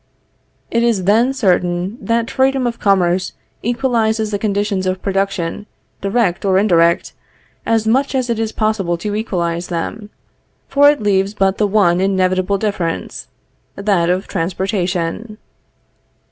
It is then certain that freedom of commerce equalizes the conditions of production direct or indirect, as much as it is possible to equalize them; for it leaves but the one inevitable difference, that of transportation.